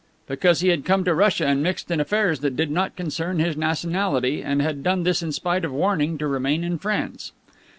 Because he had come to Russia and mixed in affairs that did not concern his nationality, and had done this in spite of warning to remain in France.